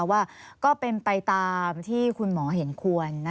ว่าก็เป็นไปตามที่คุณหมอเห็นควร